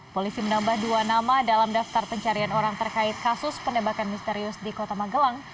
polisi menambah dua nama dalam daftar pencarian orang terkait kasus penembakan misterius di kota magelang